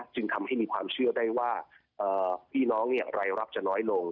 จึงทำให้มีความเชื่อได้ว่าพี่น้องรายรับจะน้อยลง